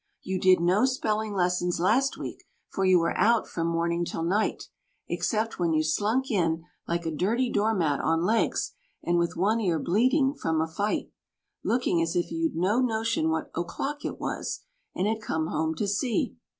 You did no spelling lessons last week, for you were out from morning till night, Except when you slunk in, like a dirty door mat on legs, and with one ear bleeding from a fight, Looking as if you'd no notion what o'clock it was, and had come home to see.